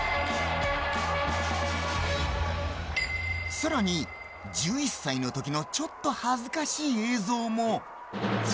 さらに１１歳のときのちょっと恥ずかしい映像も。